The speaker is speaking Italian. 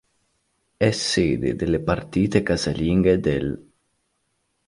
È sede delle partite casalinghe dell'.